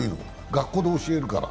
学校で教えるから。